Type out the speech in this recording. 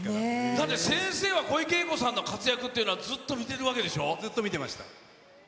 だって先生は小池栄子さんの活躍っていうのはずっと見てるわずっと見てました。